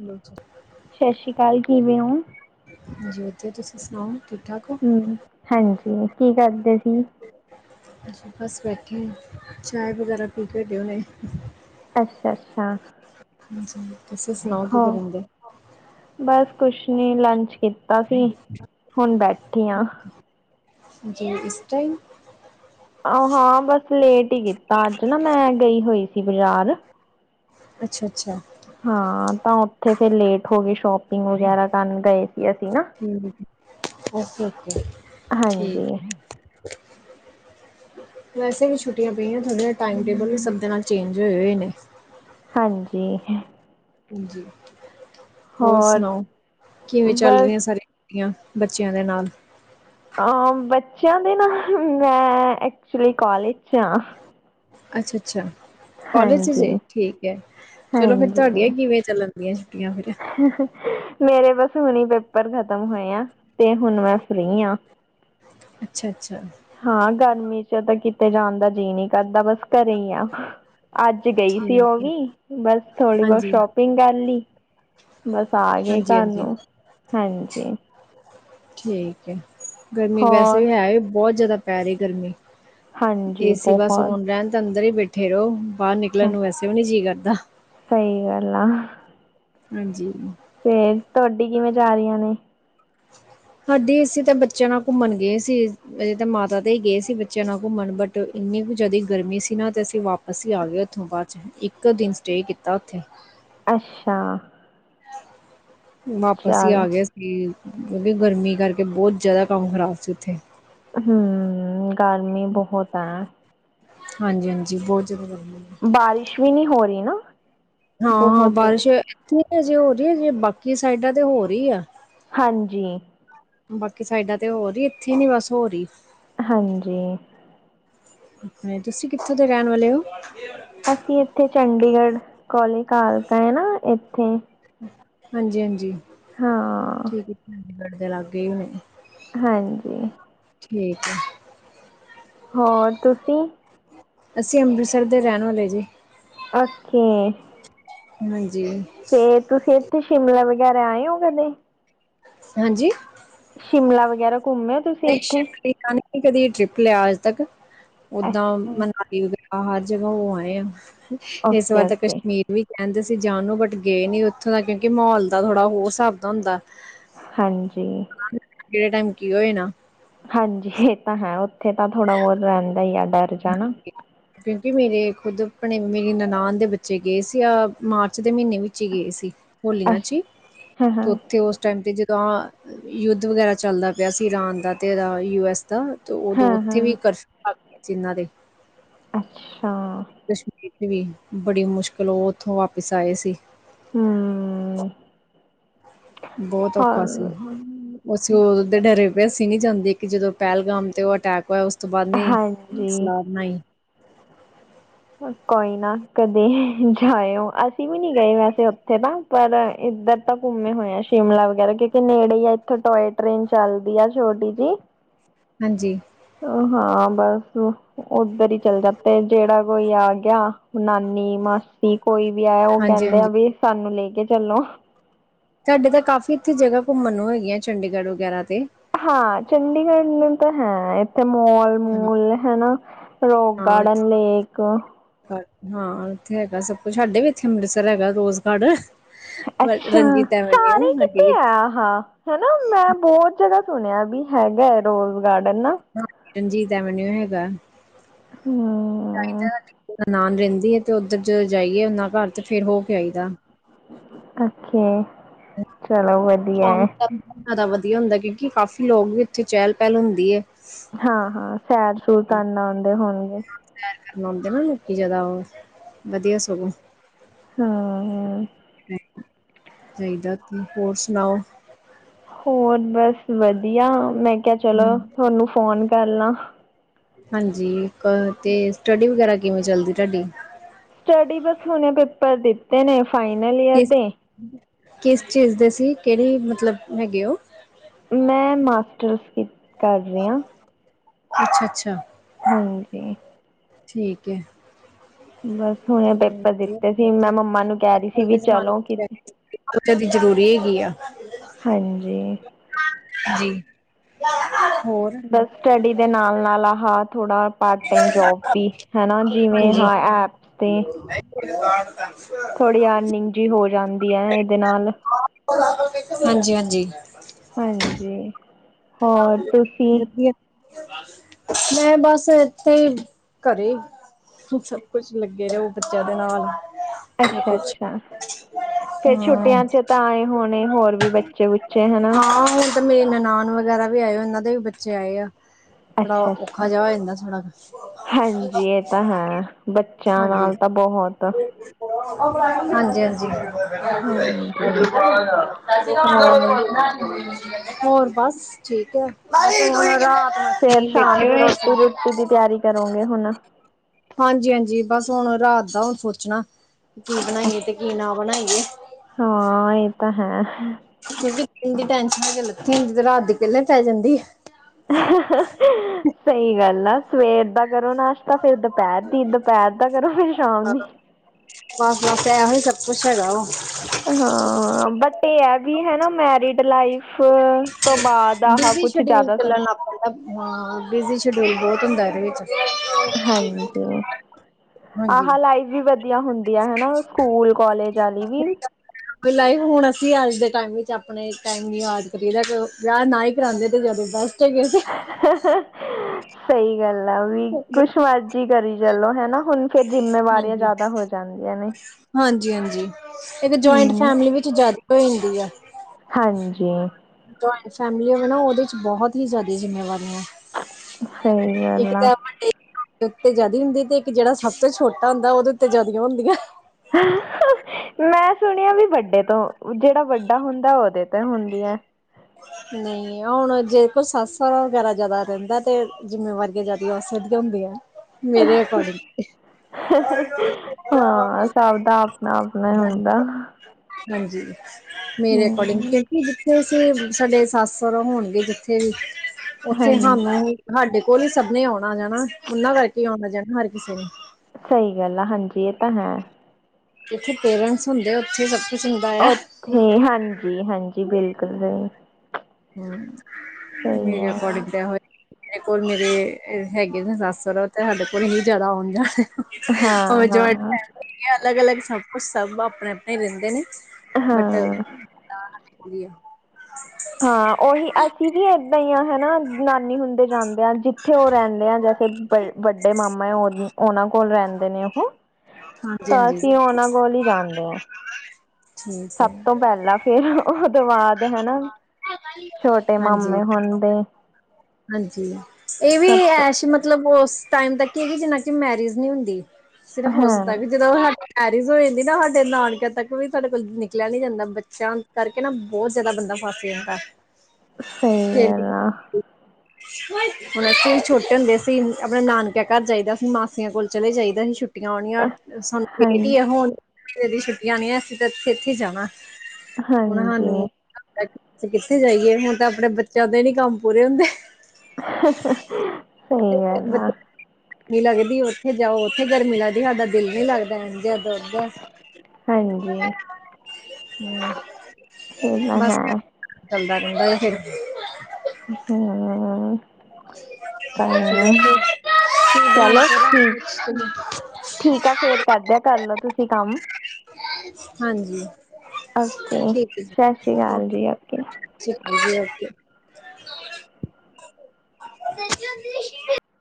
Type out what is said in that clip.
Hello ਜੀ ਸਤਿ ਸ੍ਰੀ ਅਕਾਲ, ਕਿਵੇਂ ਔ? ਹਾਂਜੀ ਵਧੀਆ, ਤੁਸੀਂ ਸੁਣਾਓ? ਠਾਕ ਹੋ ਹੂੰ ਹਾਂਜੀ ਕੀ ਕਰਦੇ ਸੀ। ਅੱ ਬਸ ਬੈਠੇ ਆ ਚਾਏ ਵਗੈਰਾ ਪੀ ਕੇ ਹਟੇ ਹੁਣੇ ਅੱਛਾ ਅੱਛਾ, [inaudible] ਤੁਸੀ ਸੁਣਾਓ ਕਿ ਕਰਨ ਦੇ ਬਸ ਕੁਛ ਨੀ ਲੰਚ ਕੀਤਾ ਸੀ ਹੁਣ ਬੈਠੀ ਆ ਜੀ ਇਸ ਟਾਈਮ ਆਹ ਹਾਂ ਬਸ ਲੇਟ ਤਾਂ ਅੱਜ ਨਾ ਮੈਂ ਗਈ ਹੋਈ ਸੀ ਬਾਜ਼ਾਰ ਅੱਛਾ ਅੱਛਾ, ਹਾਂ ਤਾਂ ਉੱਥੇ ਥੇ ਲੇਟ ਹੋਗੇ ਸ਼ੋਪਿੰਗ ਵਗੈਰਾ ਕਰਨ ਗਏ। ਸੀ ਅਸੀਂ ਨਾ। ਠੀਕ ਓਕੇ ਓਕੇ ਠੀਕ ਹਾਂਜੀ। ਵੈਸੇ ਵੀ ਛੁੱਟੀਆਂ ਪਈਆਂ ਥੋਡੇ ਟਾਈਮ ਟੇਬਲ ਵੀ ਸਭ ਦੇ ਨਾਲ ਚੇਂਜ ਹੋਏ ਹੋਏ ਨੇ ਹਾਂਜੀ ਹਾਂਜੀ ਹੋਰ ਸੁਣਾਓ ਕਿਵੇਂ ਚੱਲ ਬਸ ਰਹੀਆਂ ਸਾਰੇ ਬੱਚਿਆਂ ਦੇ ਨਾਲ ਅ ਬੱਚਿਆਂ ਦੇ ਨਾ ਮੈਂ ਐਕਚੁਲੀ ਕਾਲਜ ਚ ਆ ਅੱਛਾ ਅੱਛਾ ਕਾਲਜ ਜੇ ਠੀਕ ਹੈ ਚਲੋ ਫਿਰ ਤੁਹਾਡੀਆਂ ਹਾਂਜੀ-ਹਾਂਜੀ ਕਿਵੇਂ ਚੱਲਣ ਦੀਆਂ ਛੁੱਟੀਆਂ ਫਿਰ ਮੇਰੇ ਬਸ ਹੁਣੇ ਪੇਪਰ ਖਤਮ ਹੋਏ ਆ ਤੇ ਹੁਣ ਮੈਂ ਫਰੀ ਆ ਅੱਛਾ ਅੱਛਾ ਹਾਂ ਗਰਮੀ ਚ ਤਾਂ ਕਿਤੇ ਜਾਣ ਦਾ ਜੀਅ ਨਹੀਂ ਕਰਦਾ ਬਸ ਘਰੇ ਹੀ ਆ ਅੱਜ ਗਈ ਸੀ ਉਹ ਠੀਕ ਹੈ ਵੀ ਬਸ ਥੋੜੀ ਬਹੁਤ ਹਾਂਜੀ, ਸ਼ੋਪਿੰਗ ਕਰ ਲਈ ਬਸ ਆ ਗਏ ਹਾਂਜੀ, ਘਰ ਹਾਂਜੀ ਨੂੰ ਹਾਂਜੀ ਠੀਕ ਏ ਗਰਮੀ ਹੋਰ ਵੈਸੇ ਹੈ ਹੀ ਬਹੁਤ ਜ਼ਿਆਦਾ--ਪੈ ਰਹੀ ਗਰਮੀ। ਹਾਂਜੀ ਏਸੀ ਬੱਸ ਬਹੁਤ -ਆਉਣ ਰਹਿਣ ਤਾਂ ਅੰਦਰ ਹੀ ਬੈਠੇ ਥੇਰੋ। ਬਾਹਰ ਨਿਕਲਣ ਹਾਂ, ਨੂੰ ਵੈਸੇ ਵੀ ਨਹੀਂ ਜੀਅ ਕਰਨ [inaudible] ਦਾਹ। ਸਹੀ ਗੱਲ ਆਹ। ਹਾਂਜੀ। ਤੇ ਤੁਹਾਡੀ ਕਿਵੇਂ, ਜਾ ਰਹੀਆਂ ਨੇ। ਹਾਂ, ਦੀ, ਅਸੀ ਤਾਂ ਬੱਚਿਆ ਨਾਲ ਘੁੰਮਣ, ਗਏ ਸੀ ਅਜੇ ਤੇ ਮਾਤਾ ਤੇ ਗਏਸੀ, ਬੱਚਿਆਂ ਨਾਲ ਘੁੰਮਣ ਬਟ, ਏਨੀ ਕੁ ਜ਼ਿਆਦਾ ਗਰਮੀ ਸੀ, ਅਸੀਵਾਪਿਸ ਹੀ ਆ ਗਏ ਉਥੋਂ ਬਾਦ, ਇਕ ਦਿਨ ਹੀ ਸਟੇ ਕੀਤਾ ਓਥੇ। ਅੱ -ਛਾ ਵਾਪਿਸ ਹੀ ਆ ਗਿਆ ਸੀ ਕਿਉਕਿ- ਗਰਮੀਕਰਕੇ ਬਹੁਤ ਜਿਆਦਾ ਕੰਮ ਖਰਾਬ ਸੀ ਉੱਥੇ। ਹਮ ਗਰਮੀ ਬਹੁਤ ਆ ਹਾਂਜੀ ਹਾਂਜੀ ਬਹੁਤ। ਜ਼ਿਆਦਾ ਗਰਮੀ ਬਾਰਸ ਵੀ ਨਈ ਹੋ ਰਹੀ ਨਾ। ਹਾਂ, ਹਾਂ, ਬਹੁਤ ਦੇਰ ਬਾਰਸ਼ ਜੇ ਹੋ ਰਹੀ ਹੈ ਅਜੇ, ।।ਬਾਕੀ ਸਾਈਡਾਂ ਤੇ ਹੋਰ ਹੀ ਆ। ਹਾਂਜੀ। ਬਾਕੀ ਸਾਈਡਾਂ, ਤੇ ਹੋਰ ਹਰੀ ਇੱਥੇ ਹੀ ਨਈ ਬਸ ਹੋਰ ਹੀ। ਹਾਂਜੀ। ਐ ਤੁਸੀਂ ਕਿੱਥੋਂ ਦੇ ਰਹਿਣ ਵਾਲੇ ਹੋ। ਅਸੀਂ ਇੱਥੇ ਚੰਡੀਗੜ੍ਹ, ਕੋਲੇ ਕਾਲਕਾ ਹੈ ਨਾ ਇੱਥੇ। ਹਾਂਜੀ--ਹਾਂਜੀ। ਹਾਂ ਚੰਡੀਗੜ੍ਹ ਦੇ ਲਾਗੇ ਹੀ ਹਾਂਜੀ। ਠੀਕ। ਹੋਰ ਤੁਸੀਂ ਅਸੀਂ ਅੰਮ੍ਰਿਤਸਰ ਦੇ ਰਹਿਣ ਵਾਲੇ ਜੀ। ਔਕੇ। ਹਾਜੀ। ਫੇਰ ਤੁਸੀਂ ਤੁਸੀਂ ਸ਼ਿਮਲਾ, ਵਗੈਰਾ ਆਏ ਹੋ ਕਦੇ। ਹਾਂਜੀ ਸ਼ਿਮਲਾ ਵਗੈਰਾ ਘੁੰਮਿਓ ਤੁਸੀਂ ਨਹੀਂ ਇੱਥੇ। ਸ਼ਿਮਲੇ ਦਾ ਨੀ ਕਦੀ ਟ੍ਰਿਪ ਲਿਆ ਅੱਜ ਤੱਕ ਓਦਾਂ ਅੱਛਾ ਮਨਾਲੀ, ਵਗੈਰਾ ਆਜ ਵਹੋ ਆਏ ਆ। ਇਸ ਓਕੇ ਵਾਰ ਤਾਂ ਓਕੇ ਕਸ਼ਮੀਰ, ਵੀ ਕਹਿੰਦੇ ਅਸੀ ਜਾਣ ਨੂੰ ਬਟ ਗਏ ਨੀ ਉੱਥੋਂ ਦਾ ਕਿਉਕਿ ਮਾਹੌਲ ਦਾ ਥੋੜਾ ਹੋ ਹਿਸਾਬ ਦਾ ਹੁੰਦਾ। ਹਾਂਜੀ ਕਿਹੜੇ ਟਾਈਮ ਕੀ ਹੋਵੇ ਨਾ। ਹਾਂਜੀ ਇਹ ਤਾਂ ਹੈ ਉਥੇ ਤਾਂ ਥੋੜਾ ਬਹੁਤ ਰਹਿੰਦਾ ਹੀ ਆ ਡਰ। ਜਾਣਾ ਕਿਉਕਿ ਮੇਰੇ ਖੁਦ ਆਪਣੇ ਮੇਰੀ ਨਣਾਨ ਦੇ ਬੱਚੇ ਗਏ ਸੀ ਆਹ ਮਾਰਚ ਦੇ ਮਹੀਨੇ ਵਿੱਚ ਹੀ ਗਏ ਸੀ। ਹੋਲੀਆਂ ਚ ਅੱਛਾ ਹਾਂ ਹਾਂ ਤੇ ਉੱਥੇ ਉਸ ਟਾਈਮ ਤੇ ਜ ਤਾਂ ਯੁੱਧ ਵਗੈਰਾ ਚੱਲਦਾ ਪਿਆ ਸੀ ਇਰਾਨ ਦਾ ਤੇ ਇਹਦਾ ਯੂ ਐੱਸ ਦਾ। ਤੇ ਉਦੋਂ ਹਾਂ ਉੱਥੇ ਹਾਂ ਵੀ ਕਸ਼ ਚਿੰਨ੍ਹਾਂ ਦੇ ਅੱਛਾ ਕਸ਼ਮੀਰ ਵੀ ਬੜੀ ਮੁਸ਼ਕਿਲ ਉਹ ਉੱਥੋਂ ਵਾਪਿਸ ਆਏ ਸੀ। ਹੂੰ ਬਹੁਤ ਔਖਾ ਸੀ ਅਸੀ ਉਹਦੇ ਡਰੇ ਵਸੀ ਨਹੀਂ ਜਾਂਦੀ ਕਿ ਜਦੋਂ ਪਹਿਲਗਾਮ ਤੇ ਉਹ ਅਟੈਕ ਹੋਇਆ ਉਸ ਉਸ ਤੋਂ ਬਾਅਦ ਨਹੀ ਹਾਂਜੀ ਸਲਾਹ ਬਣਾਈ। ਕੋਈ ਨਾ ਕਦੇ ਜਾਇਓ ਅ ਸੀ ਵੀਂ ਨੀ ਗਏ ਵੈਸੇ ਉੱਥੇ ਨਾ ਪਰ ਐ ਏਧਰ ਤਾਂ ਘੁੰਮੇ ਹੋਏ ਆ ਸ਼ਿਮਲਾ ਵਗੈਰਾ ਕਿਉਂਕਿ ਨੇੜੇ ਈ ਆ ਇੱਥੋਂ ਟੋਏ ਟ੍ਰੇਨ ਚੱਲਦੀ ਆ ਛੋਟੀ ਜੀ। ਹਾਂਜੀ ਓਹ ਹਾਂ। ਬਸ ਔ ਔਧਰ ਈ ਚੱਲਦਾ ਪੈ ਜੋ ਕੋਈ ਆ ਗਿਆ ਨਾਨੀ ਮਾਸੀ ਕੋਈ ਵੀ ਆਯਾ ਔ ਹਾਂਜੀ ਹਾਂਜੀ ਕੈੰਦਾ ਵੇ ਸਾਨੂੰ ਲੇ ਕੇ ਚੱਲੋ। ਸਾਡੇ ਤਾਂ ਕਾਫ਼ੀ ਇੱਥੇ ਜਗ੍ਹਾ ਘੁੰਮਣ ਨੂੰ ਹੈਗੀਆਂ ਚੰਡੀਗੜ੍ਹ ਵਗੈਰਾ ਤੇ। ਹਾਂ, ਚੰਡੀਗੜ੍ਹ ਨੂੰ ਤਾਂ ਹੈ। ਮੋਲ ਹਾਂ। ਮੂਲ ਹੈਨਾ। ਰੋਕ ਹਾਂ ਗਾਰਡਨ, ਇੱਥੇ ਲੇਕ। ਹਾਂ, ਏਥੇ ਹੈਗਾ ਸਭ ਕੁਛ ਸਾਡੇ ਵੀ ਏਥੇ ਅੰਮ੍ਰਿਤਸਰ ਹੈਗਾ ਰੋਜ਼ਗਾਰਡ। ਅੱਛਾ, ਸਾਰੇ ਸਾਡੇ ਕਿਤੇ ਵੀ ਇੱਥੇ, ਆਯਾ ਹਾਂ ਹੈਨਾ ਮੈਂ ਬੌਤ ਜਗ੍ਹਾ ਸੁਣਿਆ ਬੀ ਹੈਗਾ ਏ ਰੋਲ। [inaudible] ਰਣਜੀਤ ਐਵਨ ਯੂ ਹੈਗਾ। ਹਮ ਨਾਮ ਜੰਦੀ ਏ ਤੇ ਉੱਧਰ ਜਦੋਂ ਜਾਈਏ ਔਨਾ ਘਰ ਤੇ ਫੇਰ ਹੋ ਕੇ ਆਈਦਾ। ਅੱਛੇ। ਹ ਫੋਨ [unintelligible] ਵਧੀਆ ਹੁੰਦਾ, ਕਿ ਉਂਕਿ ਕਾਫ਼ੀ ਲੋਕ ਵੀ ਉੱਥੇ ਚੈਲ ਪੈਲ ਹੁੰਦੀ ਏ। ਹਾਂ- ਹਾਂ, ਸੈਰ-ਸੁਰ ਕਰਨ ਆਂਦੇ ਹੋਣਗੇ। ਸੈਰ ਕਰਨ ਆਂਦੇ ਨਾ ਲੋਕੀ ਜੈਦਾ, ਓਹ ਵਧੀਆ ਸਗੋਂ। ਹਾਂ- ਹਾਂ। ਚਹੀਦਾ ਕੀ, ਹੋਰ ਸੁਣਾਓ? ਹੋਰ ਬਸ ਵਧ- ਵਧੀਆ, ਮੈਂ ਕਿਆ ਚਲੋ, ਤੁਹਾਨੂੰ ਫੋਨ ਕਰ ਲਾਂ। ਹਾਂਜੀ। ਕ ਤੇ ਸਟੱਡੀ ਵਗੈਰਾ- ਕਿਵੇਂ ਚਲਦੀ ਤੁਹਾਡੀ? ਸਟਡੀ ਬਸ, ਹੁਣੇ ਪੇਪਰ ਦਿੱਤੇ ਨੇ। ਫਾਈਨਲ ਇਅਰ ਦੇ। ਕੇਸ ਚੀਜ਼ ਦੇ ਸੀ, ਕੇੜੀ ਮਤਲਬ ਹੈਗੇ ਔ। ਮੈਂ ਮਾਸਟਰਸ ਕ- ਕਰ ਰੀ ਆਂ। ਅੱਛਾ- ਅੱਛਾ। ਹਾਂਜੀ। ਠੀਕ ਏ। ਬਸ। [inaudible] ਹੁਣੇ ਪੇਪਰ ਅੱਜ ਦਿੱਤੇ ਸੀ ਕੱਲ ਮੈਂ ਮੰਮਾ ਨੂੰ ਕਹਿ ਰਹੀ ਸੀ ਵੀ ਦੇ ਚਲੋ ਕਿ ਜਮਾਨੇ [inaudible] ਬੱਚਿਆਂ ਦੀ ਜ਼ਰੂਰੀ ਹੈਗੀ ਆ। ਹਾਂਜੀ। ਜੀ। ਹੋਰ ਬਸ ਸਟੱਡੀ ਦੇ ਨਾਲ, ਨਾਲ- ਨਾਲ ਆਹ। ਥੋੜਾ ਪਾਰਟ ਟਾਈਮ ਜੋਬ ਵੀ, ਹਨਾ ਜਿਵੇਂ ਹਾਂ ਐਪਸ ਤੇ। ਉਹਦੇ ਨਾਲ। ਥੋੜੀ ਅਰਨਿੰਗ ਜਿਹੀ ਹੋ ਜਾਂਦੀ ਹੈ ਇਹਦੇ ਨਾਲ। ਹਾਂਜੀ- ਹਾਂਜੀ। ਹਾਂਜੀ। ਹੋਰ ਤੁਸੀਂ? ਵਧੀਆ ਮੈਂ, ਬਸ ਇੱਥੇ ਘਰੇ ਸਭ ਕੁਛ ਲੱਗੇ ਰਹੋ ਬੱਚਿਆਂ ਦੇ ਨਾਲ। ਜਾਂ ਅੱਛਾ- ਕੁਛ ਅੱਛਾ, ਫੇਰ ਹਾਂ। ਛੁੱਟੀਆਂ ਚ ਤਾਂ ਆਏ ਹੋਣੇ ਹੋਰ ਵੀ ਬੱਚੇ- ਬੁੱਚੇ, ਹਨਾ? ਉਹ ਵੀ ਆਏ ਹੋਏ ਹੈ, ਇਹਨਾਂ ਦੇ ਵੀ ਬੱਚੇ ਆਏ ਆ। ਥੋੜਾ ਅੱਛਾ- ਔਖਾ ਅੱਛਾ ਜਿਹਾ ਹੋ ਜਾਂਦਾ ਥੋੜਾ ਹਾਂਜੀ, ਇਹ ਤਾਂ ਹੈ। ਬੱਚਿਆਂ ਨਾਲ ਤਾਂ ਬਹੁਤ। ਹਾਂਜੀ- ਹਾਂਜੀ। ਹਾਂਜੀ। ਹੋਰ ਹੋਰ ਬਸ। ਠੀਕ ਹੈ ਤੇ ਹੁਣ ਰਾਤ। ਨੂੰ ਫੇਰ ਅਸੀਂ ਸ਼ਾਮ ਬੈਠੇ ਦੀ ਹੋਏ ਸੀ ਰੋਟੀ ਰੁਟੀ ਦੀ ਤਿਆਰੀ ਕਰੋਗੇ ਹੁਣ? ਹਾਂਜੀ ਹਾਂਜੀ ਬਸ ਹੁਣ ਰਾਤ ਦਾ ਹੁਣ ਸੋਚਣਾ? ਕੀ ਬਣਾਈਏ ਤੇ ਕੀ ਨਾ ਬਣਾਈਏ? ਹਾਂ ਇਹ ਤਾਂ ਹੈ ਕਿਉਂਕਿ। ਦਿਨ ਦੀ ਟੈਨਸ਼ਨ ਹਜੇ ਲੱਥੀ ਨਹੀਂ ਹੁੰਦੀ ਤੇ ਰਾਤ ਦੀ ਪਹਿਲੇ ਪੈ ਜਾਂਦੀ ਹੈ। ਸਹੀ ਗੱਲ ਆ। ਸਵੇਰ ਤੱਕ। ਕਰੋ ਨਾਸ਼ਤਾ ਫਿਰ ਦੁਪਹਿਰ ਦੀ ਦੁਪਹਿਰ ਦਾ ਕਰੋ ਫੇਰ ਸ਼ਾਮ ਦੀ। ਬਸ ਬਸ ਇਹੋ ਹੀ ਸਭ ਕੁਛ ਹੈਗਾ ਵਾ। ਹਾਂ ਬਟ ਇਹ ਹੈ ਵੀ ਹਨ ਨਾ ਮੈਰਿਡ। ਲਾਈਫ। ਤੋਂ ਬਾਅਦ ਆਹ ਬਿਜੀ ਕੁਛ ਸ਼ਡਿਊਲ ਜ਼ਿਆਦਾ ਸੱਚ ਚੱਲਣ ਲੱਗ ਪੈਂਦਾ ਹਾਂ ਬਿਜੀ ਸ਼ਡਿਊਲ ਬਹੁਤ ਹੁੰਦਾ ਇਹਦੇ । ਹਾਂਜੀ ਹਾਂਜੀ ਆਹ ਲਾਈਵ ਵੀ ਵਧੀਆ ਹੁੰਦੀ। ਵਧੀਆ ਹਨਾ ਸਕੂਲ ਕਾਲਜ ਵਾਲੀ ਵੀ। ਲਾਈਫ ਹੁਣ ਅਸੀਂ ਅੱਜ ਦੇ ਟਾਈਮ ਵਿੱਚ ਆਪਣੇ ਟਾਈਮ ਨੂੰ ਯਾਦ ਕਰੀਦਾ ਕਿ ਵਿਆਹ ਨਾ ਹੀ ਕਰਾਉਂਦੇ ਤੇ ਜਦੋਂ ਬਸ। ਚੰਗੇ ਸੀ। ਸਹੀ। ਗੱਲ ਆ ਵੀ। ਹਾਂਜੀ, ਕੁੱਛ ਮਰਜ਼ੀ ਕਰੀ। ਚਲੋ, ਹਨਾ। ਹੁਣ ਫੇਰ ਜਿੰਮੇਵਾਰੀਆਂ ਜ਼ਿਆਦਾ ਹੋ ਜਾਂਦੀਆਂ ਨੇ। ਜੀ ਹਾਂਜੀ। ਇਹ ਜੁਆਇੰਟ ਹਮ ਫੈਮਿਲੀ ਵਿੱਚ ਜ਼ਿਆਦਾ ਹੋਏ [inaudible] ਹਾਂਜੀ। ਫੈਮਿਲੀਆਂ ਵਾ ਨਾ ਉਹਦੇ ਬਹੁਤ ਹੀ ਜ਼ਿਆਦੀਆਂ ਜਿੰਮੇਵਾਰੀਆਂ। ਸਹੀ ਇੱਕ ਗੱਲ ਆ। ਤਾਂ ਵੱਡੇ ਉੱਤੇ ਜ਼ਿਆਦਾ ਹੁੰਦੀ ਤੇ ਇੱਕ ਜਿਹੜਾ ਸਭ ਤੋਂ ਛੋਟਾ ਹੁੰਦਾ। ਉਹਦੇ ਉੱਤੇ ਜਿਆਦੀਆਂ ਹੁੰਦੀਆਂ। ਮੈਂ ਸੁਣਿਆ ਵੀ ਵੱਡੇ ਤੋਂ ਜਿਹੜਾ ਵੱਡਾ ਹੁੰਦਾ ਉਹਦੇ ਤੋਂ ਹੁੰਦੀਆ। ਨਹੀਂ ਹੁਣ ਜੇ ਕੋਈ ਸੱਸ ਸੋਰਾ ਵਗੈਰਾ ਜ਼ਿਆਦਾ ਰਹਿੰਦਾ ਤੇ ਜਿੰਮੇਵਾਰੀਆਂ ਜ਼ਿਆਦਾ ਉਸੇ ਦੀਆਂ ਹੁੰਦੀਆਂ। ਮੇਰੇ [unintelligible] ਅਕੋਰਡਿੰਗ ਹਾਂ, ਸਭ ਦਾ ਆਪਣਾ ਆਪਣਾ ਹੁੰਦਾ। ਹਾਂਜੀ। ਮੇਰੇ ਅਕੋਰਡਿੰਗ ਹਮ ਕਿਉਂਕਿ ਜਿੱਥੇ [inaudible] ਸਾਡੇ ਸੱਸ ਸੋਰਾ ਹੋਣਗੇ ਜਿੱਥੇ ਵੀ ਉੱਥੇ ਹਾਂਜੀ ਹਾਨੂੰ ਹਾਡੇ ਕੋਲ ਹੀ ਸਭਨੇ ਆਉਣਾ ਜਾਣਾ ਉਹਨਾਂ ਕਰਕੇ ਆਉਣਾ ਜਾਣਾ ਹਰ ਕਿਸੇ ਨੇ ਸਹੀ ਗੱਲ ਆ। ਹਾਂਜੀ, ਇਹ ਤਾਂ ਹੈ। ਜਿੱਥੇ ਪੇਰੈਂਟਸ ਹੁੰਦੇ ਉੱਥੇ ਕੁਛ ਹੁੰਦਾ ਆ ਉਥੇ ਹਾਂਜੀ, ਹਾਂਜੀ। ਬਿਲਕੁਲ ਸਹੀ। ਹੂੰ। ਸਹੀ ਮੇਰੇ ਹੈ ਐਕਾਰਡਿੰਗ ਤੇ ਏਹੋ ਮੇਰੇ ਕੋਲ ਮੇਰੇ ਹੈਗੇ ਨੇ ਸਸ ਸੱਸੁਰ ਤੇ ਸਾਡੇ ਕੋਲ ਹੀ ਜਿਆਦਾ ਓਣ ਜਾਣ। ਹਾਂ ਹੋਰ ਜੋ ਹਾਂ ਅਲਗ ਅਲੱਗ ਸਭ ਉਹ ਸਭ ਆਪਣੇ-ਆਪਣੇ ਰਹਿੰਦੇ ਨੇ। ਬਟ ਹਾਂ ਵਧੀਆ। ਹਾਂ ਉਹੀ ਅਸੀਂ ਵੀ ਏਦਾਂ ਹੀ ਹਨਾ, ਨਾਨੀ ਹੁੰਦੇ ਜਾਂਦੇ ਆ। ਜਿੱਥੇ ਉਹ ਰਹਿੰਦੇ ਆ। ਜੈਸੇ ਬ ਵੱਡੇ ਮਾਮਾ ਉਹ ਉਹਨਾਂ ਕੋਲ ਰਹਿੰਦੇ ਨੇ ਉਹ। ਹੈ ਤਾਂ ਹਾਂਜੀ ਅਸੀਂ ਉਹਨਾਂ ਕੋਲ ਹੀ ਜਾਂਦੇ ਹਾਂ। ਠੀਕ ਸਭ ਹੈ ਤੋਂ ਪਹਿਲਾਂ ਫੇਰ ਉਹ ਤੋਂ ਬਾਅਦ ਹੈ ਨਾ ਛੋਟੇ ਹਾਂਜੀ ਮਾਮੇ ਹੁੰਦੇ। ਹਾਂਜੀ। ਇਹ ਵੀ ਸਭ ਤੋਂ ਐ ਸੀ ਮਤਲਬ ਉਹ ਟਾਈਮ ਤੱਕ ਹੈਗੀ ਜਿੰਨਾ ਕਿ ਮੈਰਿਜ ਨਹੀਂ ਹੁੰਦੀ ਸਿਰਫ਼ ਉਸ ਹਾਂ ਤੱਕ ਜਦੋਂ ਮੈਰਿਜ ਹੋ ਜਾਂਦੀ ਨਾ ਸਾਡੇ ਨਾਨਕਿਆਂ ਤੱਕ ਵੀ ਸਾਡੇ ਕੋਲ ਨਿਕਲਿਆ ਨੀ ਜਾਂਦਾ ਬੱਚਿਆਂ ਕਰਕੇ ਨਾ ਬਹੁਤ ਜ਼ਿਆਦਾ ਬੰਦਾ ਫਸ ਜਾਂਦਾ। ਸਹੀ ਗੱਲ ਹੁਣ ਅਸੀਂ ਛੋਟੇ ਹੁੰਦੇ ਸੀ ਆਪਣਾ ਨਾਨਕਿਆ ਘਰ ਜਾਈਦਾ ਸੀਂ ਮਾਸੀਆਂ ਕੋਲ ਚਲੇ ਜਾਈਦਾ ਸੀ ਛੁੱ ਛੁੱਟੀਆਂ ਆਉਣੀਆਂ ਸਾਨੂੰ ਦੀ ਹਾਂਜੀ ਆ ਹੁਣ ਮਹੀਨੇ ਦੀਆਂ ਛੁੱਟੀਆਂ ਹੋਣੀਆਂ ਅਸੀਂ ਤਾਂ ਉਥੇ ਹੀ ਜਾਣਾ ਉਹਨਾਂ ਨੂੰ ਹਾਂਜੀ ਤੇ ਕਿੱਥੇ ਜਾਈਏ ਹੁਣ ਤਾਂ ਆਪਣੇ ਬੱਚਿਆਂ ਦੇ ਨੀ ਕੰਮ ਪੂਰੇ ਹੁੰਦੇ। ਸਹੀ ਗੱਲ ਆ ਨ ਲੱਗਦੀ ਉੱਥੇ ਜਾਓ ਉੱਥੇ ਗਰਮੀ ਲੱਗਦੀ ਸਾਡਾ ਦਿਲ ਨੀ ਲੱਗਦਾ ਅੱਧੇ ਦਰ ਅੱਧੇ ਹਾਂਜੀ ਉਤਰ ਇਹ ਤਾਂ ਬਸ ਹੈ ਐਵੇਂ ਹੀ ਚਲਦਾ ਰਹਿੰਦਾ ਹੈ ਫਿਰ ਹਮ ਕੋਈ ਚਲੋ ਨਾ ਫਿਰ ਕੀ ਬਣਾਉਣਾ ਚਲੋ ਫਿਰ ਠੀਕ ਰਾਤ ਵਿੱਚ ਠੀਕ ਆ ਫੇਰ ਕਰਦਿਆਂ ਕਰਲੋ ਤੁਸੀਂ ਕੰਮ ਹਾਂਜੀ ਓਕੇ ਠੀਕ ਸਤਿ ਸ੍ਰੀ ਅਕਾਲ ਜੀ ਓਕੇ ਹਾਂਜੀ ਓਕੇ ਸ਼